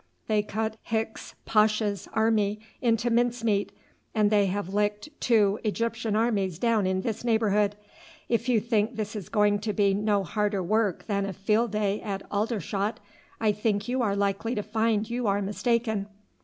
They cut Hicks Pasha's army into mincemeat, and they have licked two Egyptian armies down in this neighbourhood. If you think this is going to be no harder work than a field day at Aldershot, I think you are likely to find you are mistaken."